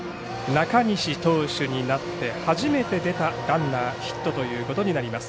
中西投手になって初めて出たランナー、ヒットということになります。